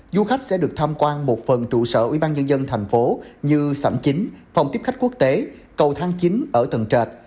du khách sẽ được thăm quan một phần trụ sở ủy ban nhân dân thành phố như sảnh chính phòng tiếp khách quốc tế cầu thang chính ở tầng trệt